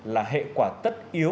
là hệ quả tất yếu